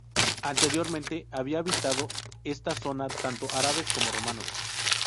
Anteriormente habían habitado esta zona, tanto árabes como romanos.